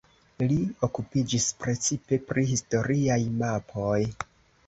Li okupiĝis precipe pri historiaj mapoj.